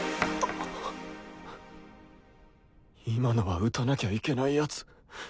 今のは打たなきゃいけないやつ。